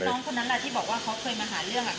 แล้วน้องคนนั้นล่ะที่บอกว่าเขาเคยมาหาเรื่อง